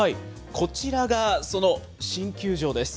こちらが、その新球場です。